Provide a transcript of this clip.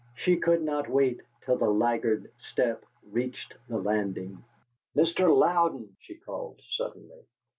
She could not wait till the laggard step reached the landing. "MR. LOUDEN!" she called, suddenly.